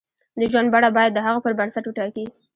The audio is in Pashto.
د ژوند بڼه باید د هغو پر بنسټ وټاکي.